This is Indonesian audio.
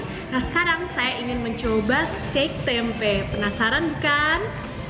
nah sekarang saya ingin mencoba steak tempe penasaran bukan